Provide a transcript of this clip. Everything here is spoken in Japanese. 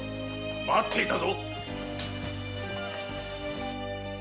待っていたぞ。